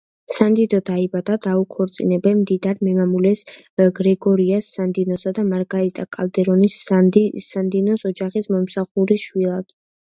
სანდინო დაიბადა დაუქორწინებელ მდიდარ მემამულეს, გრეგორიო სანდინოსა და მარგარიტა კალდერონის, სანდინოს ოჯახის მოსამსახურის, შვილად.